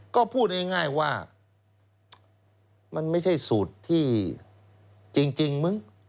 ก็พูดง่ายว่ามันไม่ใช่สูตรที่จริงมึง